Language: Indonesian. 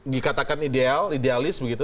dikatakan ideal idealis begitu